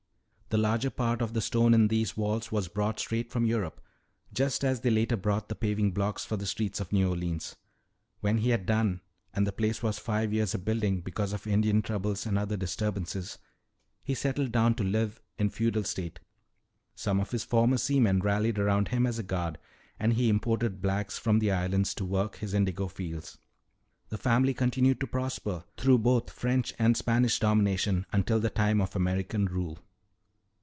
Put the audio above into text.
The larger part of the stone in these walls was brought straight from Europe, just as they later brought the paving blocks for the streets of New Orleans. When he had done and the place was five years a building because of Indian troubles and other disturbances he settled down to live in feudal state. Some of his former seamen rallied around him as a guard, and he imported blacks from the islands to work his indigo fields. "The family continued to prosper through both French and Spanish domination until the time of American rule."